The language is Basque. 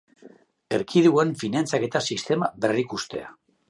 Erkidegoen finantzaketa sistema berrikustea.